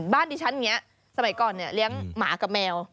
บ้านที่ฉันเนี่ยสมัยก่อนเนี่ยเลี้ยงหมากับแมว